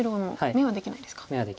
眼はできないです。